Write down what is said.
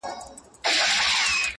هغې ويل په پوري هـديــره كي ښخ دى “